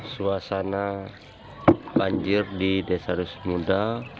suasana banjir di desa rusmuda